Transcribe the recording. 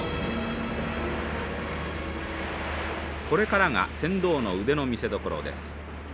これからが船頭の腕の見せどころです。